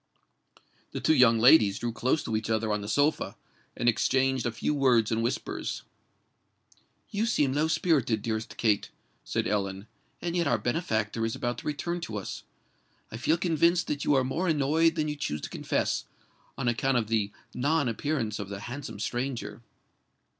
The two young ladies drew close to each other on the sofa, and exchanged a few words in whispers. "You seem low spirited, dearest Kate," said Ellen; "and yet our benefactor is about to return to us. I feel convinced that you are more annoyed than you choose to confess, on account of the, non appearance of the handsome stranger."